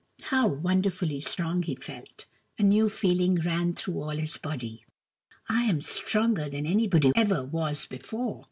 How wonder fully strong he felt ! A new feeling ran through all his body. " I am stronger than anybody ever was before